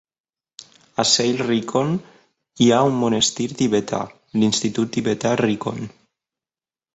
A Zell-Rikon hi ha un monestir tibetà, l'institut tibetà Rikon.